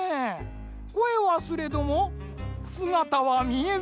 こえはすれどもすがたはみえず。